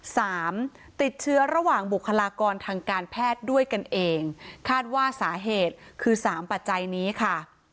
สามติดเชื้อระหว่างบุคลากรทางการแพทย์ด้วยกันเองคาดว่าสาเหตุคือสามปัจจัยนี้ค่ะ